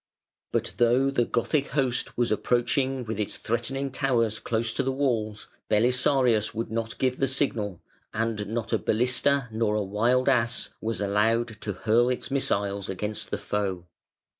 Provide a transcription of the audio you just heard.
But though the Gothic host was approaching with its threatening towers close to the walls, Belisarius would not give the signal, and not a Balista, nor a Wild Ass was allowed to hurl its missiles against the foe.